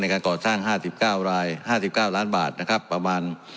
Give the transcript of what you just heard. ในการก่อสร้างห้าสิบเก้ารายห้าสิบเก้าร้านบาทนะครับประมาณ